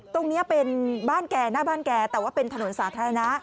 ตรงนี้เป็นบ้านแกหน้าบ้านแกแต่ว่าเป็นถนนสาธารณะ